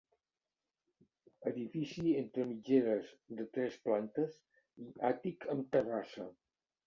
Edifici entre mitgeres de tres plantes i àtic amb terrassa.